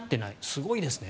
すごいですね。